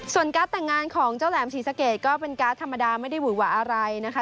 ส่วนการ์ดแต่งงานของเจ้าแหลมศรีสะเกดก็เป็นการ์ดธรรมดาไม่ได้หวุ่นหวะอะไรนะคะ